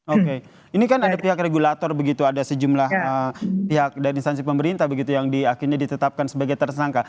oke ini kan ada pihak regulator begitu ada sejumlah pihak dari instansi pemerintah begitu yang akhirnya ditetapkan sebagai tersangka